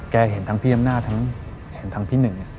แกเห็นทั้งพี่อำนาจและทางพี่หนึ่ง